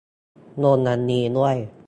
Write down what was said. งงอันนี้ด้วย